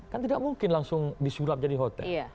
kan tidak mungkin langsung disulap jadi hotel